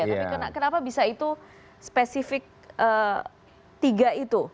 tapi kenapa bisa itu spesifik tiga itu